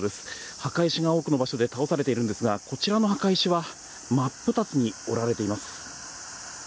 墓石が多くの場所で倒されているんですがこちらの墓石は真っ二つに折られています。